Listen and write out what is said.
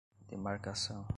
demarcação